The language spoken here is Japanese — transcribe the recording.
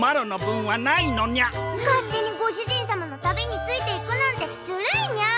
勝手にご主人様の旅についていくなんてずるいニャ！